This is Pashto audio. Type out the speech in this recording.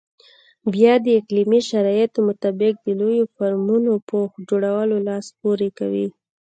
بیا د اقلیمي شرایطو مطابق د لویو فارمونو په جوړولو لاس پورې کوي.